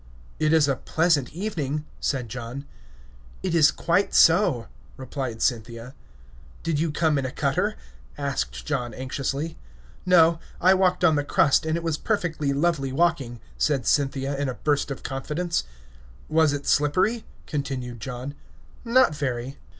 "It is a pleasant evening," said John. "It is quite so," replied Cynthia. "Did you come in a cutter?" asked John anxiously. "No; I walked on the crust, and it was perfectly lovely walking," said Cynthia, in a burst of confidence. "Was it slippery?" continued John. "Not very."